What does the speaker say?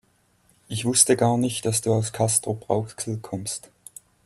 Ich wusste gar nicht, dass du aus Castrop-Rauxel kommst